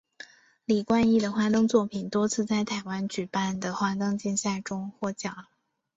李冠毅的花灯作品多次在台湾举办的花灯竞赛中获奖。